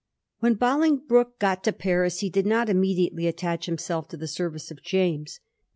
When Bolingbroke got to Paris he did not imme diately attach himself to the service of James.